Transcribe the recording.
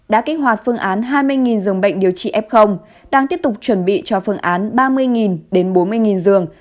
đã kích hoạt phương án hai mươi dường bệnh điều trị f đang tiếp tục chuẩn bị cho phương án ba mươi bốn mươi dường